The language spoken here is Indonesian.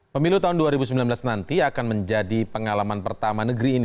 pemilu tahun dua ribu sembilan belas nanti akan menjadi pengalaman pertama negeri ini